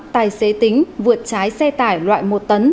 tài xế tính vượt trái xe tải loại một tấn